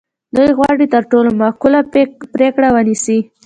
دوی غواړي تر ټولو معقوله پرېکړه ونیسي.